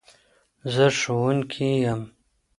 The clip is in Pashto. زه ښوونکي يم